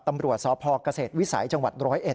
ตำรวจซพกเศษวิสัยจร๑